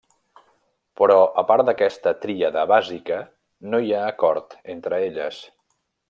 Però, a part d'aquesta tríada bàsica, no hi ha acord entre elles.